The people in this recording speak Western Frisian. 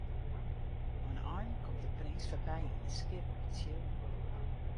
Oan de ein komt de prins foarby yn in skip op tsjillen.